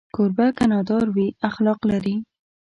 کوربه که نادار وي، اخلاق لري.